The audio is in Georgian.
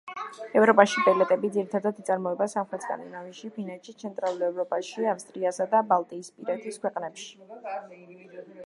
ევროპაში პელეტები ძირითადად იწარმოება სამხრეთ სკანდინავიაში, ფინეთში, ცენტრალურ ევროპაში, ავსტრიასა და ბალტიისპირეთის ქვეყნებში.